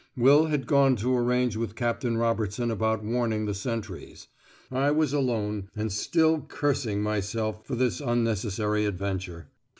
Will had gone to arrange with Captain Robertson about warning the sentries. I was alone, and still cursing myself for this unnecessary adventure.